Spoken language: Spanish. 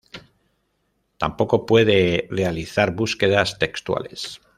Tampoco puede realizar búsquedas textuales.